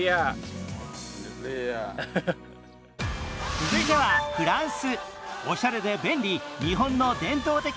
続いてはフランス。